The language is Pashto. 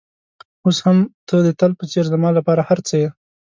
اوس هم ته د تل په څېر زما لپاره هر څه یې.